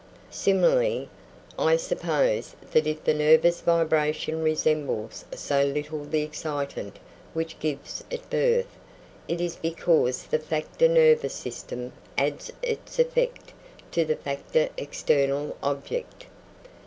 Similarly, I suppose that if the nervous vibration resembles so little the excitant which gives it birth, it is because the factor nervous system adds its effect to the factor external object.